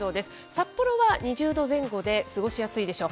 札幌は２０度前後で過ごしやすいでしょう。